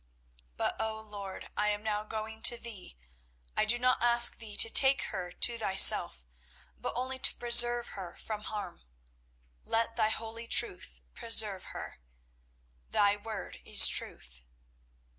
But, O Lord, I am now going to Thee. I do not ask Thee to take her to Thyself, but only to preserve her from harm. Let Thy holy truth preserve her. Thy word is truth.